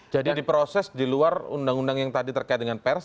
jadi diproses di luar undang undang yang tadi terkait dengan pers